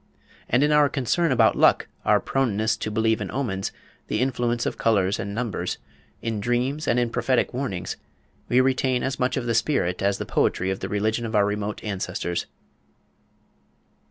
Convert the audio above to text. And in our concern about luck, our proneness to believe in omens, the influence of colours and numbers, in dreams and in prophetic warnings, we retain as much of the spirit as the poetry of the religion of our remote ancestors.